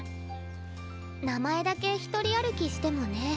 名前だけ一人歩きしてもね。